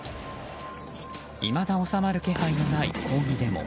いまだ収まる気配のない抗議デモ。